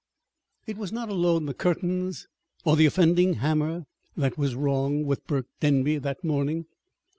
It was not alone the curtains or the offending hammer that was wrong with Burke Denby that morning.